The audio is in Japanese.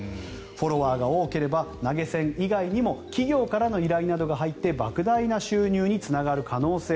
フォロワーが多ければ投げ銭以外にも企業からの依頼などが入ってばく大な収入につながる可能性。